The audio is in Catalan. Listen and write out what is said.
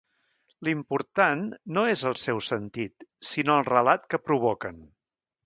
L'important no és el seu sentit sinó el relat que provoquen.